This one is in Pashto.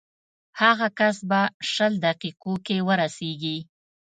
هغه کس به شل دقیقو کې ورسېږي.